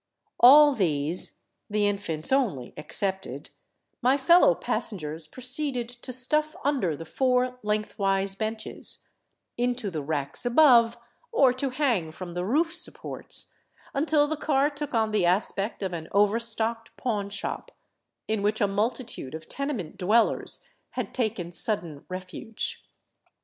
All these — the infants only excepted — my fellow passengers proceeded to stuff under the four lengthwise benches, into the racks above, or to hang from the roof supports, until the car took on the aspect of an overstocked pawnshop in which a multitude of tenement dwellers had taken sudden refuge.